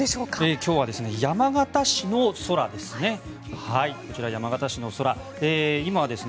今日は山形市の空ですね。